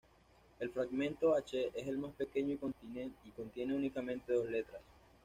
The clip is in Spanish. El fragmento "h" es el más pequeño y contiene únicamente dos letras.